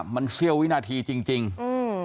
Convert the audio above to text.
มันเสี้ยววินาทีจริงจริงอืม